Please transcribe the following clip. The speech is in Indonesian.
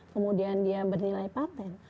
kemudian dia bernilai patent